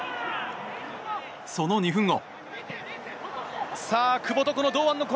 その２分後。